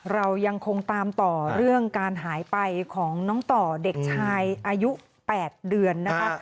เรายังคงตามต่อเรื่องการหายไปของน้องต่อเด็กชายอายุ๘เดือนนะคะ